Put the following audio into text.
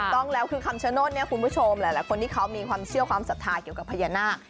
ต้องแล้วคือคำชโนธเนี่ยคุณผู้ชมหลายคนที่เขามีความเชื่อความศรัทธาเกี่ยวกับพญานาค